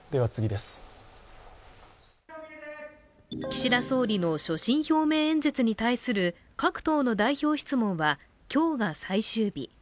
岸田総理の所信表明演説に対する各党の代表質問は今日が最終日。